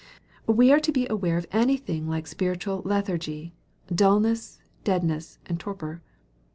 We are to beware of any thing like spiritual lethargy, dulness, deadness, and torpor.